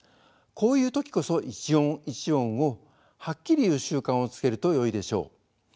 こういう時こそ一音一音をはっきり言う習慣をつけるとよいでしょう。